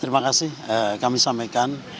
terima kasih kami sampaikan